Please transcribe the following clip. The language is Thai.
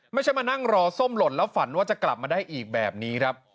ไม่ใช่มานั่งรอส้มหล่นแล้วฝันว่าจะกลับมาได้อีกแบบนี้ครับ